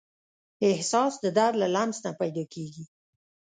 احساس د درد له لمس نه پیدا کېږي.